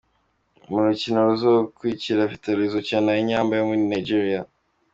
Mu rukino ruzokurikira, Vital’o izokina na Enyamba yo muri Nigeria.